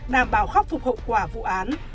đảm bảo khắc phục hậu quả vụ án